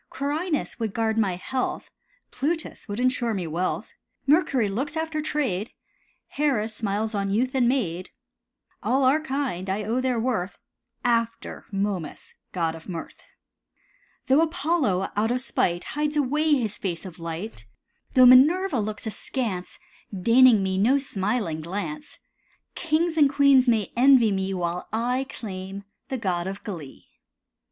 Quirinus would guard my health, Plutus would insure me wealth; Mercury looks after trade, Hera smiles on youth and maid. All are kind, I own their worth, After Momus, god of mirth. Though Apollo, out of spite, Hides away his face of light, Though Minerva looks askance, Deigning me no smiling glance, Kings and queens may envy me While I claim the god of glee.